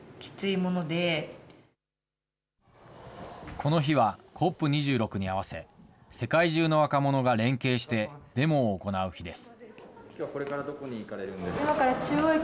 この日はＣＯＰ２６に合わせ、世界中の若者が連携してデモを行う日です。